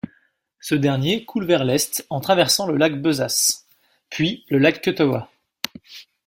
Ce dernier coule vers l'Est en traversant le lac Besace, puis le lac Cutaway.